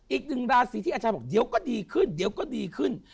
อีกหนึ่งราศิทธิอาชาบอกเดี๋ยวก็ดีขึ้น